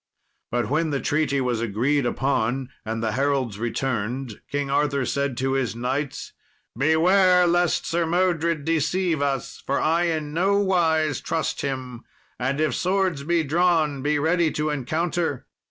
But when the treaty was agreed upon, and the heralds returned, King Arthur said to his knights, "Beware, lest Sir Modred deceive us, for I in no wise trust him, and if swords be drawn be ready to encounter!"